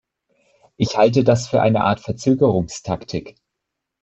Ich halte das für eine Art Verzögerungstaktik.